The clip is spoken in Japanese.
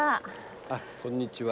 あっこんにちは。